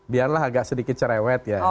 biarlah agak sedikit cerewet ya